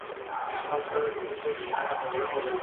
Los dos peores equipos descenderán a sus grupos regionales.